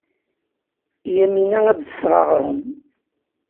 Yamina ad d-tseɣ aɣrum.